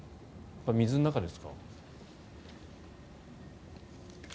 水の中ですか？